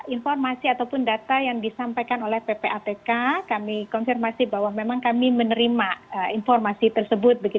informasi ataupun data yang disampaikan oleh ppatk kami konfirmasi bahwa memang kami menerima informasi tersebut